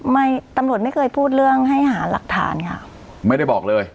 ไม่ตำรวจไม่เคยพูดเรื่องให้หาหลักฐานค่ะไม่ได้บอกเลย